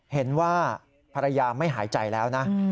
เห็นว่าภรรยาไม่หายใจแล้วนะ